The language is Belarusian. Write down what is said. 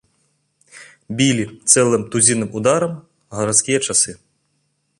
Білі цэлым тузінам удараў гарадскія часы.